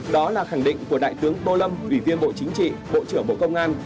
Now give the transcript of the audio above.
đó là khẳng định của đại tướng tô lâm ủy viên bộ chính trị bộ trưởng bộ công an